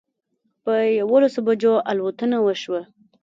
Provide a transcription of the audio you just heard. په یوولسو بجو الوتنه وشوه.